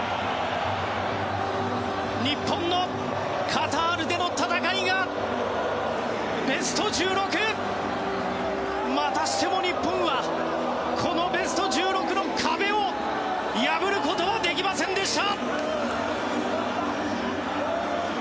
日本のカタールでの戦いがまたしても日本はこのベスト１６の壁を破ることはできませんでした。